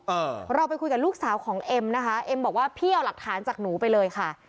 เออเราไปคุยกับลูกสาวของเอ็มนะคะเอ็มบอกว่าพี่เอาหลักฐานจากหนูไปเลยค่ะ